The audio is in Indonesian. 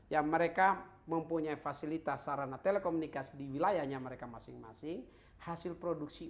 yang mereka mempunyai fasilitas sarana telekomunikasi ke dunia mereka masing masing oh hasil produksi